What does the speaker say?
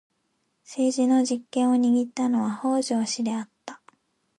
政治の実権を握ったのは北条氏であった。